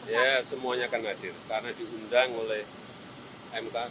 ya semuanya akan hadir karena diundang oleh mta semuanya akan hadir